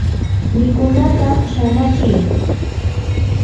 mikunata shanachi.